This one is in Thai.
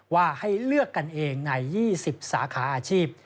ว่าให้เลือกกันเองใน๒๐สาขาอาชีพ